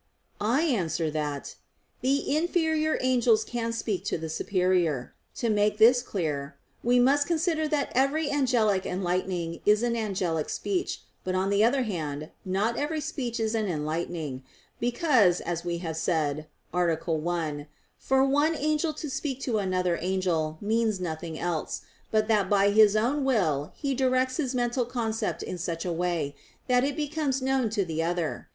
I answer that, The inferior angels can speak to the superior. To make this clear, we must consider that every angelic enlightening is an angelic speech; but on the other hand, not every speech is an enlightening; because, as we have said (A. 1), for one angel to speak to another angel means nothing else, but that by his own will he directs his mental concept in such a way, that it becomes known to the other.